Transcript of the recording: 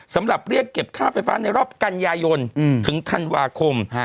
สำหรับเรียกเก็บค่าไฟฟ้าในรอบกันยายนถึงธันวาคม